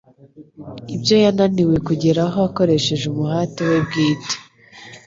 Ibyo yananiwe kugeraho akoresheje umuhati we bwite